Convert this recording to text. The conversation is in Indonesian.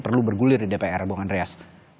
perlu bergulir di dpr bung andreas